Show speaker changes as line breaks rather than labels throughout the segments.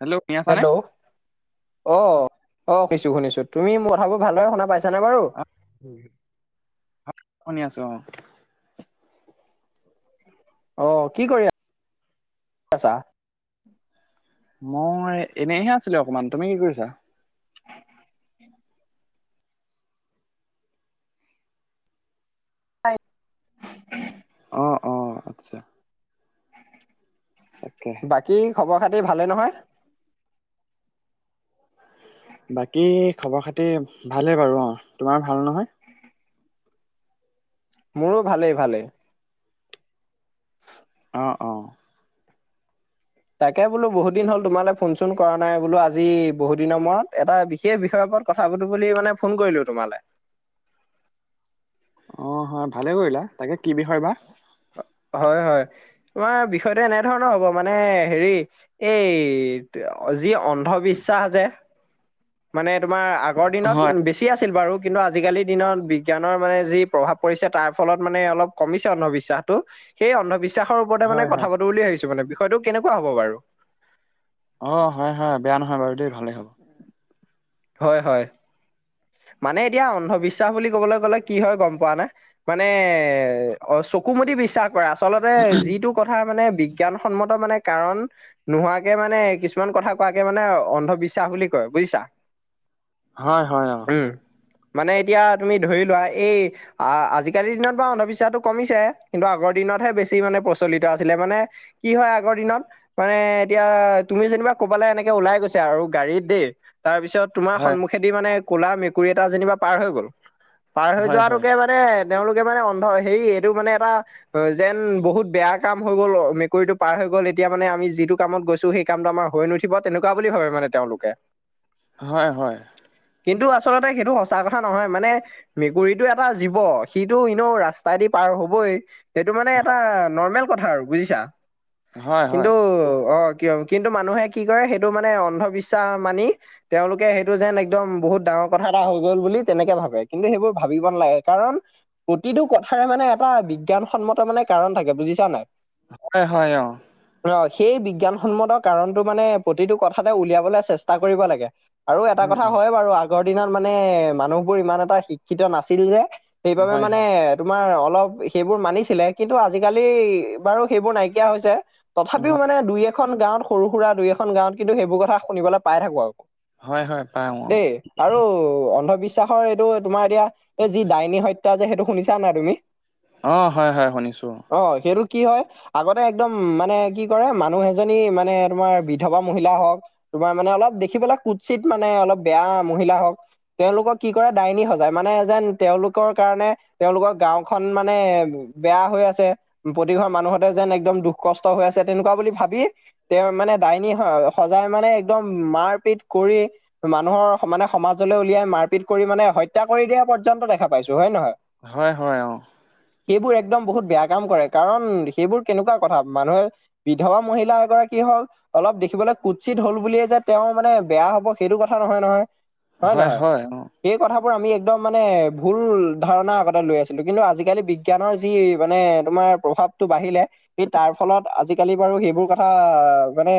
Hello শুনি আছানে?
Hello অ অ কিছু শুনিছো তুমি মোৰ কথাবোৰ ভালদৰে শুনা পাইছানে বাৰু
শুনি আছো অ।
অ কি কৰি আছা
মই এনেইহে আছিলো অকমান তুমি কি কৰিছা?
[unintelligible]
অ অ অ আচ্ছা তাকে
বাকী খবৰ খাতি ভালে নহয়?
বাকী খবৰ খাতি ভালে বাৰু অ তোমাৰ ভাল নহয়?
মোৰো ভালেই ভালেই।
অ, অ।
তাকে বোলো বহুত দিন হ'ল তোমালে ফোন-চোন কৰা নাই। বোলো আজি বহু দিনৰ মূৰত এটা বিশেষ বিষয় ওপৰত কথা পাতো বুলি মানে ফোন কৰিলো তোমালে।
অ হয় ভালে কৰিলা তাকে কি বিষয় বা
হয় হয় তোমাৰ বিষয়টো এনে ধৰণৰ হ'ব মানে হেৰি এই যি অন্ধবিশ্বাস যে মানে তোমাৰ আগৰ দিনত
হয়,
বেছি আছিল বাৰু কিন্তু আজি-কালিৰ দিনত বিজ্ঞানৰ মানে যি প্ৰভাৱ পৰিছে তাৰ ফলত মানে অলপ কমিছে অন্ধবিশ্বাসটো। সেই অন্ধবিশ্বাসৰ ওপৰতে
হয়,
মানে
হয়,
কথা পাতো বুলি ভাবিছো মানে। বিষয়টো কেনেকুৱা হ'ব বাৰু?
অ, হয় হয়। বেয়া নহয় বাৰু দেই ভালেই হ'ব।
হয়, হয়। মানে এতিয়া অন্ধবিশ্বাস বুলি ক'বলৈ গ'লে কি হয় গম পোৱানে? মানে অ চকুমদি বিশ্বাস কৰা। আচলতে যিটো কথাৰ মানে বিজ্ঞানসন্মত মানে কাৰণ নোহোৱাকে মানে কিছুমান কথা কোৱাকে মানে অন্ধবিশ্বাস বুলি কয়, বুজিছা?
হয়, হয়, হয়।
উ মানে এতিয়া তুমি ধৰি লোৱা এই আ আজি-কালিৰ দিনত বাও অন্ধবিশ্বাসটো কমিছে। কিন্তু আগৰ দিনতহে বেছি মানে প্ৰচলিত আছিলে। মানে কি হয় আগৰ দিনত মানে এতিয়া তুমি যেনিবা কবালৈ এনেকে ওলাই গৈছা আৰু গাড়ীত দেই। তাৰপিছত তোমাৰ
হয়,
সন্মুখেদি মানে ক'লা মেকুৰী এটা যেনিবা পাৰ হৈ গ'ল। পাৰ হৈ
হয়, হয়,
যোৱাটোকে মানে মানে তেওঁলোকে মানে অন্ধ হেৰি এইটো মানে এটা অ যেন বহুত বেয়া কাম হৈ গ'ল। মেকুৰীটো পাৰ হৈ গ'ল এতিয়া মানে আমি যিটো কামত গৈছো সেই কামটো আমাৰ হৈ নুঠিব তেনেকুৱা বুলি ভাবে মানে তেওঁলোকে।
হয়, হয়।
কিন্তু আচলতে সেইটো সঁচা কথা নহয়। মানে মেকুৰীটো এটা জীৱ। সিটো ইনেও ৰাস্তাইদি পাৰ হ'বই। সেইটো মানে এটা নৰ্মেল কথা আৰু বুজিছা।
হয়, হয়।
কিন্তু অ কিয় কিন্তু মানুহে কি কৰে সেইটো মানে অন্ধবিশ্বাস মানি তেওঁলোকে সেইটো যেন একদম বহুত ডাঙৰ কথা এটা হৈ গ'ল বুলি তেনেকে ভাবে। কিন্তু সেইবোৰ ভাবিব নালাগে কাৰণ প্ৰতিটো কথাৰে মানে এটা বিজ্ঞানসন্মত মানে কাৰণ থাকে। বুজিছা নাই?
হয়, হয়, অ।
অ সেই বিজ্ঞানসন্মত কাৰণটো মানে প্ৰতিটো কথাতে উলিয়াবলৈ চেষ্টা কৰিব লাগে। আৰু এটা
উম,
কথা
উম,
হয় বাৰু। আগৰ দিনত মানে মানুহবোৰ ইমান এটা শিক্ষিত নাছিল যে। সেইবাবে
হয়,
মানে
হয়,
তোমাৰ অলপ সেইবোৰ মানিছিলে। কিন্তু আজি-কালি বাৰু সেইবোৰ নাইকিয়া হৈছে। তথাপিও
হয়,
মানে দুই এখন গাঁৱত সৰু সুৰা দুই এখন গাঁৱত কিন্তু সেইবোৰ কথা শুনিবলৈ পাই থাকো আও।
হয়, হয় পাও অ।
আৰু অন্ধবিশ্বাসৰ এইটো তোমাৰ এতিয়া এই যি ডাইনী হত্যা আছে সেইটো শুনিছা নাই তুমি?
অ, হয় হয় শুনিছো।
অ সেইটো কি হয়? আগতে একদম মানে কি কৰে, মানুহ এজনী মানে তোমাৰ বিধৱা মহিলা হওক তোমাৰ মানে অলপ দেখিবলে কুৎচিত মানে অলপ বেয়া মহিলা হওক। তেওঁলোকক কি কৰে ডাইনী সজায়। মানে যেন তেওঁলোকৰ কাৰণে তেওঁলোকৰ গাঁওখন মানে বেয়া হৈ আছে। প্ৰতি ঘৰ মানুহতে যেন একদম দুখ কষ্ট হৈ আছে, তেনেকুৱা বুলি ভাবি তেওঁ মানে ডাইনী সজাই মানে একদম মাৰপিট কৰি মানুহৰ মানে সমাজলৈ উলিয়াই মাৰপিট কৰি মানে হত্যা কৰি দিয়া পৰ্যন্ত দেখা পাইছো। হয় নহয়?
হয়, হয়, অ।
সেইবোৰ একদম বহুত বেয়া কাম কৰে। কাৰণ সেইবোৰ কেনেকুৱা কথা? মানুহে বিধৱা মহিলা এগৰাকী হল অলপ দেখিবলৈ কুটছিত হল বুলিয়ে যে তেওঁ মানে বেয়া হব সেইটো কথা নহয় নহয় হয় নহয় সেই কথাবোৰ আমি একদম মানে ভুল ধাৰণা আগতে লৈ আছিলো কিন্তু আজিকালি বি বিজ্ঞানৰ যি মানে তোমাৰ প্ৰভাৱটো বাঢ়িলে। কিন্তু তাৰ ফলত আজি-কালি বাৰু সেইবোৰ কথা মানে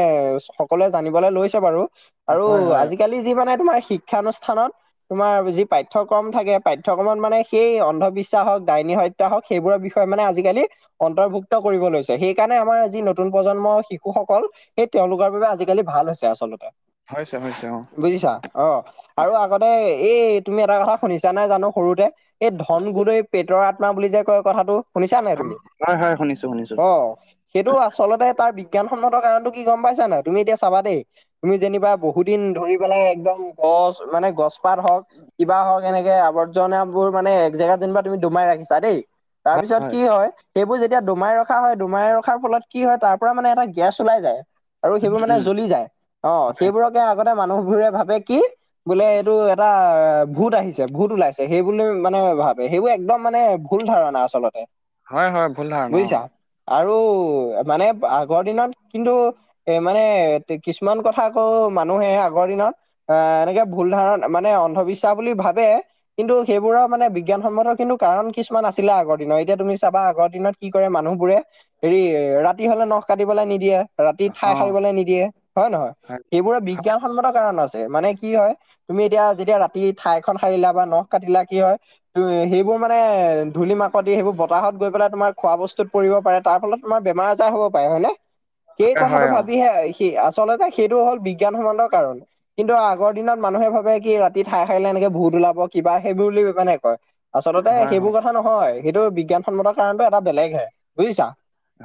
সকলোৱে জানিবলে লৈছে বাৰু। আৰু
হয়, হয়,
আজি-কালি যি মানে তোমাৰ শিক্ষানুষ্ঠানত তোমাৰ যি পাঠ্যক্ৰম থাকে পাঠ্যক্ৰমত মানে সেই অন্ধবিশ্বাসক দাইনী সত্য হওক সেইবোৰৰ বিষয় মানে আজিকালি অন্তৰ্ভুক্ত কৰিব লৈছে সেইকাৰণে আমাৰ যি নতুন প্ৰজন্মৰ শিশুসকল সেই তেওঁলোকৰ বাবে আজিকালি ভাল হৈছে আচলতে
হৈছে হৈছে অ
বুজিছা অ আৰু আগতে এই তুমি এটা কথা শুনিছা নে জানো সৰুতে এই ধন গুদেই পেটৰ আত্মা বুলি যে কয় কথাটো শুনিছা নাই তুমি?
হয় হয় শুনিছো শুনিছো
ক সেইটো আচলতে তাৰ বিজ্ঞানসন্মতৰ কাৰণটো কি গম পাইছা নাই তুমি এতিয়া চাবা দেই তুমি যেনিবা বহুত দিন ধৰি পেলাই একদম গছ মানে গছপাত হওক কিবা হওক এনেকে আৱৰ্জনাবোৰ মানে একজেগা যেনিবা তুমি দমাই ৰাখিছা দেই তাৰ পিছত কি হয় সেইবোৰ যেতিয়া দমাই ৰখা হয় দমাই ৰখাৰ ফলত কি হয় তাৰ পৰা মানে এটা গেছ ওলাই যায় আৰু সেইবোৰ মানে
উম
জ্বলি যায় অ
হয়
সেইবোৰকে আগতে মানুহবোৰে ভাবে কি বোলে এইটো এটা ভূত আহিছে ভূত ওলাইছে সেইবুলি মানে ভাবে সেইবোৰ একদম মানে ভুল ধাৰণা আচলতে
হয় হয় ভুল ধাৰণা অ।
বুজিছা আৰু মানে আগৰ দিনত কিন্তু এ মানে কিছুমান কথা আকৌ মানুহে আগৰ দিনত এ এনেকে ভুল ধাৰণ মানে অন্ধবিশ্বাস বুলি ভাবে কিন্তু সেইবোৰৰ মানে বিজ্ঞানসন্মত কিন্তু কাৰণ কিছুমান আছিলে আগৰ দিনৰ এতিয়া তুমি চাবা আগৰ দিনত কি কৰে মানুহ বোৰে হেৰি ৰাতি হলে নখ কাটিবলৈ নিদিয়ে ৰাতি ঠাই
অ
সাৰিবলে নিদিয়ে হয় নহয় সেইবোৰে বিজ্ঞানসন্মত কাৰণ আছে মানে কি হয় তুমি এতিয়া যেতিয়া ৰাতি ঠাই এখন সাৰিলা বা নখ কাটিলা কি হয় ত সেইবোৰ মানে ধূলি মাকতি সেইবোৰ বতাহত গৈ পেলাই তোমাৰ খোৱা বস্তুত পৰিব পাৰে তাৰ ফলত আমাৰ বেমাৰ আজাৰ হ'ব পাৰে হয়নে সেই
হয়
কথাটো
হয় অ
ভাবিহে সি আচলতে সেইটো হ'ল বিজ্ঞানসন্মত কাৰণ কিন্তু আগৰ দিনত মানুহে ভাবে কি ৰাতি ঠাই সাৰিলে এনেকে ভূত ওলাব কিবা সেইবোৰ বুলি মানে কয়। আচলতে
হয়
সেইবোৰ
হয়
কথা নহয় সেইটো বিজ্ঞানসন্মতৰ কাৰণটো এটা বেলেগহে বুজিছা।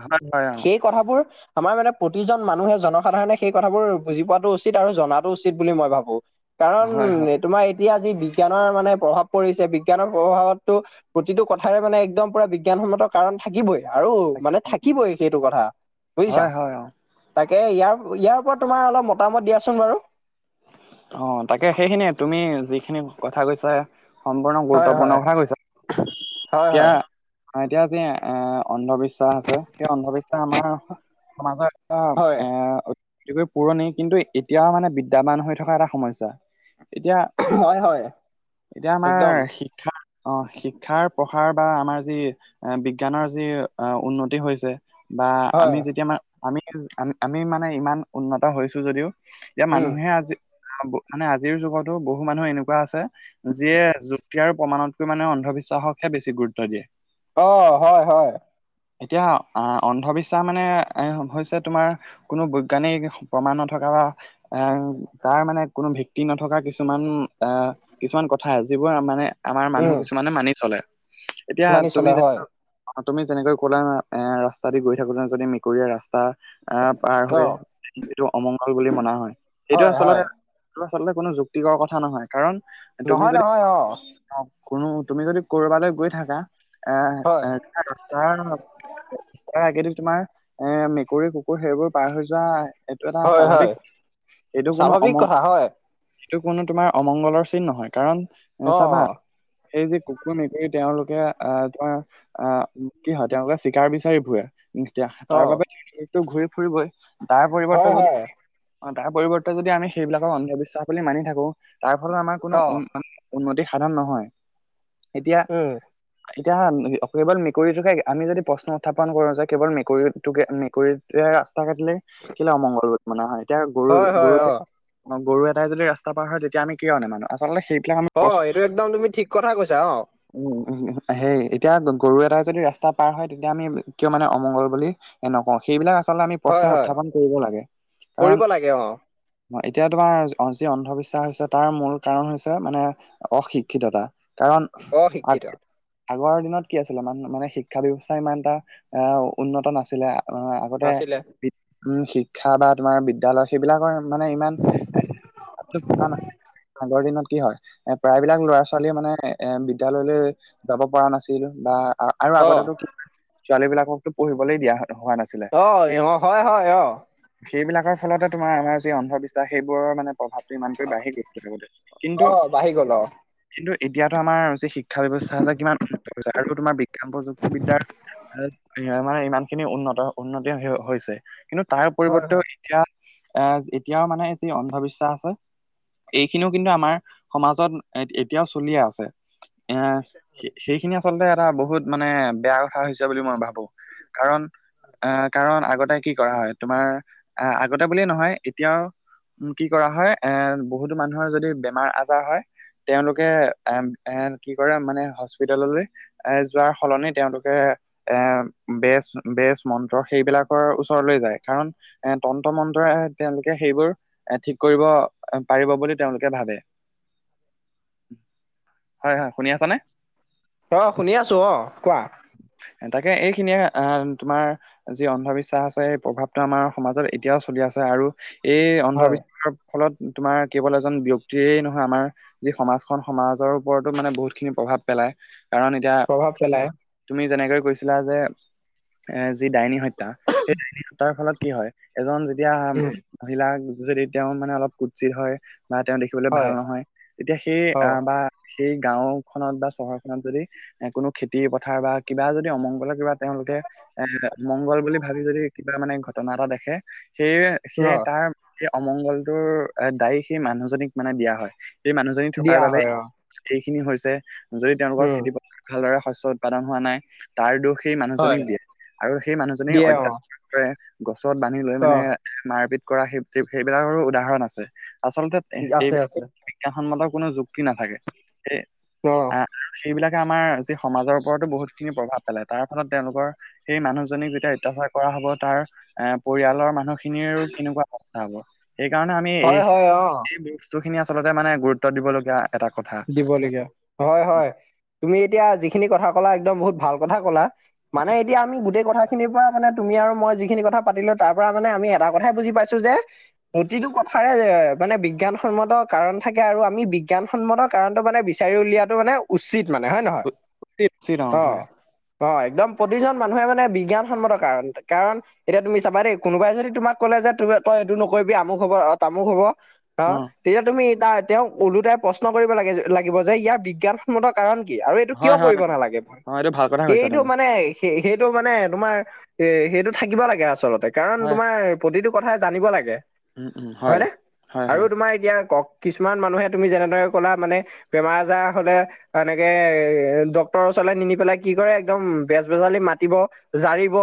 হয় হয়
সেই কথাবোৰ আমাৰ মানে প্ৰতিজন মানুহে জনসাধাৰণে সেই কথাবোৰ বুজি পোৱাটো উচিত আৰু জনাতো উচিত বুলি মই ভাবো
অ
কাৰণ
হয় হয়
তোমাৰ এতিয়া আজি বিজ্ঞানৰ মানে প্ৰভাৱ পৰিছে বিজ্ঞানৰ প্ৰভাৱততো প্ৰতিটো কথাৰে মানে একদম পুৰা বিজ্ঞান সন্মতক কাৰণ থাকিবই আৰু
তাকে
মানে থাকিবই সেইটো কথা বুজিছা।
হয় হয় অ
তাকে ইয়াৰ ইয়াৰ ওপৰত তোমাৰ অলপ মতামত দিয়াচোন বাৰু
অ তাকে সেইখিনিয়ে তুমি যিখিনি কথা কৈছা সম্পূৰ্ণ
হয়
গুৰুত্বপূৰ্ণ
হয়
কথা কৈছে,
হয়
এতিয়া
হয়
অ এতিয়া যি এ অন্ধবিশ্বাস আছে সেই অন্ধবিশ্বাস এ আমাৰ সমাজত এটা
হয়
এ অতিকৈ পুৰণি কিন্তু এতিয়াও মানে বিদ্যাবান হৈ থকা এটা সমস্যা এতিয়া
হয় হয়
এতিয়া আমাৰ
একদম
শিক শিক্ষা অ শিক্ষাৰ পঢ়াৰ বা আমাৰ যি এ বিজ্ঞানৰ যি আ উন্নতি হৈছে বা আমি
হয়
যেতিয়া আমি, আমি মানে ইমান উন্নত হৈছো যদিও। এতিয়া
উম
মানুহে আজি মানে আজিৰ যুগতো বহু মানুহ এনেকুৱা আছে। যিয়ে যুক্তিয়াৰ আৰু প্ৰমাণতকৈ মানে অন্ধবিশ্বাসকহে বেছি গুৰুত্ব দিয়ে।
অ হয় হয়।
এতিয়া অন্ধবিশ্বাস মানে এ হৈছে তোমাৰ। কোনো বৈজ্ঞানিক প্ৰমাণ নথকা বা এ তাৰ মানে কোনো ভিত্তি নথকা কিছুমান অ কিছুমান কথা যিবোৰ মানে আমাৰ মানুহ
উম
কিছু মানুহে মানি চলে এতিয়া
মানি
তুমি
চলে হয়
যেনো অ তুমি যেনেকৈ কলা এ ৰাস্তা দি গৈ থাকোতে যদি মেকুৰীয়ে ৰাস্তা এ পাৰ
অ
হৈ যিটো অমংগল বুলি মনা হয় সেইটো
হয়
আছ-
হয়
তোৰ আচলতে কোনো যুক্তিকৰ কথা নহয় কাৰণ
নহয় নহয় অ।
অ কোনো তুমি যদি কৰবালৈ গৈ থাকা এ
হয়
এই চাৰ দস্তাব তাৰ আগেদি তোমাৰ এ মেকুৰী কুকুৰ সেইবোৰ পাৰ হৈ যোৱাই এইটো এটা
হয় হয়
স্বাভাৱিক, এইটো কোনো
স্বাভাৱিক
অমং-
কথা হয়
সেইটো কোনো তোমাৰ অমংগলৰ চিন নহয় কাৰণ
অ
এ চাবা সেই যে কুকুৰ মেকুৰী তেওঁলোকে আহ ধৰা আহ কি হয় তেওঁলোকে চিকাৰ বিচাৰি ফুৰে। এতিয়া
অ
তাৰ বাবে [unintelligible] ঘূৰি ফুৰিবই, তাৰ পৰিৱৰ্তে
হয়
যদি
হয়
অ তাৰ পৰিৱৰ্তে যদি আমি সেইবিলাকৰ অন্ধবিশ্বাস বুলি মানি থাকো তাৰ ফলত আমাৰ
অ
কোনো উ- উন্নতি সাধন, নহয় এতিয়া
উম
এতিয়া কেৱল মেকুৰীটোকে আমি যদি প্ৰশ্ন উত্থাপন কৰো যে কেৱল মেকুৰীটোকে মেকুৰী এয়া ৰাস্তা কাটিলে কেলে অমংগল ৰোধ মনা হয় এতিয়া গৰু
হয় হয়
গৰুক
অ
অ গৰু এটাই যদি ৰাস্তা পাৰ হয় তেতিয়া আমি কিয় নে মানো আচলতে সেই
হয় এইটো একদম তুমি ঠিক কথা কৈছা অ।
উম উ হেই এতিয়া গৰু এটাই যদি ৰাস্তা পাৰ হয় তেতিয়া আমি কিয় মানে অমংগল বুলি এনেকুৱা সেইবিলাক আচলতে আমি প্ৰশ্ন
হয় হয়
উত্থাপন কৰিব লাগে কাৰণ
কৰিব লাগে অ
এতিয়া তোমাৰ যি অন্ধবিশ্বাস হৈছে তাৰ মূল কাৰণ হৈছে মানে অশিক্ষিততা কাৰণ
অ শিক্ষিত।
আগৰ দিনত কি আছিলে মানে শিক্ষা ব্যৱস্থা ইমান এটা আহ উন্নত নাছিলে, আহ লগতে
নাছিলে
বিদ উম শিক্ষা বা তোমাৰ বিদ্যয়ালয় সেইবিলাকৰ মানে ইমান, এ আ না আগৰ দিনত কি হয়। এ প্ৰায়বিলাক ল'ৰা ছোৱালীয়ে মানে এ বিদ্যয়ালয়লৈ যাব পৰা নাছিল বা অ আৰু আগতে ছোৱালী বিলাককতো পঢ়িবলৈ দিয়া হয়
অ ইহ অ হয় হয় অ।
সেইবিলাকৰ ফলতে তোমাৰ আমাৰ যি অন্ধবিশ্বাস সেইবোৰৰ মানে প্ৰভাৱ। ইমানকে বাঢ়েগে তথাপিওতো
অ
কিন্তু।
বাঢ়ি গ'ল অ।
কিন্তু এতিয়াতো আমাৰ যে শিক্ষা ব্যৱস্থা আছে কিমান [unintelligible] আৰু তোমাৰ বিজ্ঞান প্ৰযুক্তিবিদ্যাৰ মানে ইমান খিনি উন্নত উন্নতি হৈছে, কিন্তু তাৰ
হয়
পৰিৱৰ্তেও
হয়
এতিয়া এ এতিয়াও মানে যি অন্ধবিশ্বাস আছে, এইখিনিও কিন্তু আমাৰ সমাজত এতিয়াও চলিয়ে আছে, এ, সেইখিনি আচলতে কথা বহুত মানে বেয়া কথা হৈছে বুলি মই ভাবো কাৰণ আহ কাৰণ আগতে কি কৰা হয় তোমাৰ, আহ আগতে বুলিয়ে নহয় এতিয়াও উ কি কৰা হয় এ বহুতো মানুহৰ যদি বেমাৰ আজ- হয় তেওঁলোকে এ এ কি কৰে মানে হস্পিতাললৈ এ যোৱাৰ সলনি তেওঁলোকে এ বেচ বেজ মন্ত্ৰ সেইবিলাকৰ ওচ- ওচৰলৈ যায় কাৰণ এ তন্ত্ৰ মন্ত্ৰৰে তেওঁলোকে সেইবোৰ এ ঠিক কৰিব পাৰিব বুলি তেওঁলোকে ভাবে। হয় হয় শুনি আছ নে?
অ শুনি আছোঁ। অ কোৱা?
তাকে এইখিনিয়ে আহ তোমাৰ যি অন্ধবিশ্বাস আছে সেই প্ৰভাৱটো আমাৰ সমাজত এতিয়াও চলি আছে আৰু এই
হয়
অন্ধবিশ্বাসৰ ফলত তোমাৰ কেৱল এজন ব্যক্তিৰেই নহ- আমাৰ যি সমাজখন সমাজৰ ওপৰতো মানে বহুত খিনি প্ৰভাৱ পেলাই কাৰণ এত- এতিয়া
প্ৰভাৱ পেলাই
তুমি যেনেকৈ কৈছিলা যে এ যি ডাইনী হত্যা সেই ডাইনী হত্যাৰ ফলত কি হয় এজন যেতিয়া
উম
মহিলাক যদি তেওঁ মানে অলপ কুটজিৰ হয় বা তেওঁ দেখিবলে ভাল
হয়
নহ তেতিয়া সেই
অ
বা সেই গাওখনত বা চহৰখনত যদি এ কোনো খেতি পথাৰ বা কিবা যদি অমংগলৰ কিবা তেওঁলোকে এ মংগল বুলি ভাবি যদি কিবা মানে ঘটনা এটা দেখে সেইয়ে
অ
সেয়ে তাৰ সেই অমংগলটোৰ দায়ী সেই মানুহজনীক মানে দিয়া হয়। এই মানুহজনী থকাৰ
দিয়া
বাবে
হয় অ
এইখিনি হৈছে যদি তেওঁলোকৰ
উম
খেতি প ভালদৰে শস্য উৎপাদন হোৱা নাই তাৰ দোষ সেই
হয়
মানুহজনীক দিয়ে আৰু সেই মানুহজনী
দিয়ে অ
অত্যা [unintelligible] গছত বান্ধি লৈ
অ
মানে মাৰ পিত কৰা সেই সেইবিলাকৰো উদাহৰণ আছে আচলতে এ এই
আছে আছে
বিজ্ঞান সন্মত কোনো যুক্তি নাথাকে সেই
অ
আ আৰু সেইবিলাকে আমাৰ যি সমাজৰ ওপৰতো বহুতখিনি প্ৰভাৱ পেলাই তাৰ ফলত তেওঁলোকৰ সেই মানুহজনীক যেতিয়া অত্যাচাৰ কৰা হব তাৰ এ পৰিয়ালৰ মানুহ খিনিৰ কেনেকুৱা অৱস্থা হব সেইকাৰণে আমি এই
হয় হয় অ
এই ইখিনি আচলতে মানে গুৰুত্ব দিবলগীয়া এটা কথা।
দিবলগীয়া হয়-হয় তুমি এতিয়া যিখিনি কথা ক'লা একদম বহুত ভাল কথা ক'লা। মানে এতিয়া আমি গোটেই কথা সেইখিনিৰ পৰা মানে তুমি আৰু মই যিখিনি কথা পাতিলোঁ তাৰ পৰা মানে আমি এটা কথাই বুজি পাইছোঁ যে প্ৰতিটো কথাৰে যে মানে বিজ্ঞানসন্মত কাৰণ থাকে আৰু আমি বিজ্ঞানসন্মত কাৰণটো মানে বিচাৰি উলিয়াটো মানে উচিত মানে হয় নে নহয়
উচিত
অ।
হয়
[unintelligible] একদম প্ৰতিজন মানুহে মানে বিজ্ঞানসন্মত কাৰণ- কাৰণ এতিয়া তুমি চাবা দেই কোনোবাই যদি তোমাক ক'লে যে তুমে তই এইটো নকৰিবি আমুক হ'ব [unintelligible] তামুক হ'ব অ, তেতিয়া তুমি তা তেওঁক ওলোটাই প্ৰশ্ন কৰিব লাগে লাগিব যে ইয়াৰ বিজ্ঞান মতা কাৰণ কি আৰু এইটো কিয়
হয় হয়
কৰিব নালাগে মই
অ এইটো ভাল কথা কৈছা
সেইটো
তুমি
মানে সেই - সেইটো মানে তোমাৰ এ সেইটো থাকিব লাগে আচলতে কাৰণ
হয়
তোমাৰ প্ৰতিটো কথাই জানিব লাগে
উম উম হয়
হয়নে
হয়
আৰু
হয়
তোমাৰ ইয়াৰ ক কিছুমান মানুহে তুমি যেনেদৰে ক'লা মানে বেমাৰ -আজাৰ হলে এনেকে এ ডক্তৰৰ ওচৰলে নিনি পেলাই কি কৰে একদম বেজ- বেজালি মাতিব জাৰিব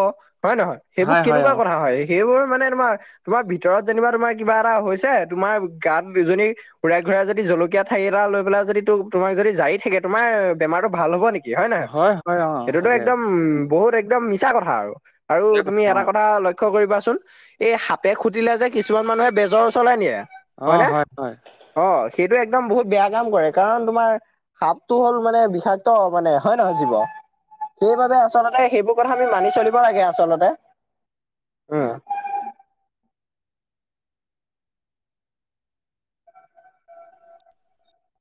হয় নে নহয় সেইবোৰ
হয় হয়
কেনেকুৱা
অ
কথা হয় সেইবোৰ মানে তোমাৰ তোমাৰ ভিতৰত যেনিবা তোমাৰ কিবা এটা হৈছে, তোমাৰ গাত দুজনী উৰাই ঘূৰাই যদি জলকী কীয়া ঠাৰি এটা লৈ পেলাই যদি তোক তোমাক যদি জাৰি থাকে, তোমাৰ বেমাৰটো ভাল হ'ব নেকি? কি হয় নহয়
হয় অ
সেইটোতো
তাকে
একদম বহুত এক একদম মিছা কথা আৰু -আৰু তুমি
অ
এটা কথা লক লক্ষ্য কৰিবাচোন এই সাপে খুটিলে যে কিছুমান মানুহে বেজৰ ওচৰলে নিয়ে।
অ,
হয়নে
হয়- হয়।
অ, সেইটো একদম বহুত বেয়া কাম কৰে কাৰণ তোমাৰ সাপটো হ'ল মানে বিষাক্ত মানে হয় নহয় জীৱ? সেইবাবে আচলতে সেইবোৰ কথা আমি মানি চলিব লাগে আচলতে উম।